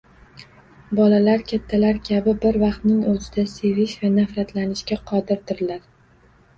Bolalar kattalar kabi bir vaqtning o‘zida sevish va nafratlanishga qodirdirlar.